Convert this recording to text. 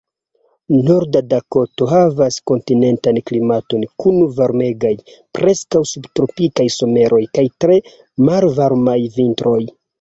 Norda Dakoto havas kontinentan klimaton kun varmegaj, preskaŭ subtropikaj someroj kaj tre malvarmaj vintroj.